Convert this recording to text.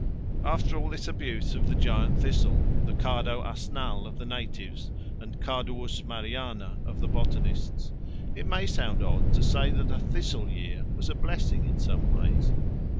After all this abuse of the giant thistle, the Cardo asnal of the natives and Carduus mariana of the botanists, it may sound odd to say that a "thistle year" was a blessing in some ways.